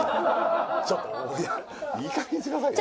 ちょっといいかげんにしてくださいよ